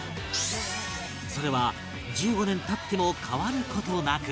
それは１５年経っても変わる事なく